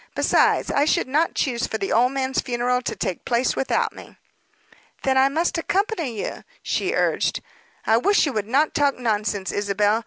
Besides, I should not choose for the old man's funeral to take place without me." "Then I must accompany you," she urged. "I wish you would not talk nonsense, Isabel.